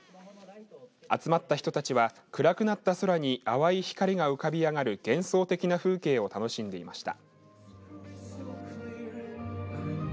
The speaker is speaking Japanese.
集まった人たちは暗くなった空に淡い光が浮かび上がる幻想的な風景を楽しんでいました。